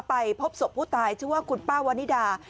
ไปพบศพผู้ตายชื่อว่าคุณป้าวานิดา